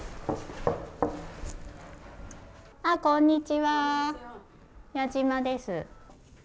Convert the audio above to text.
こんにちは、矢嶋です。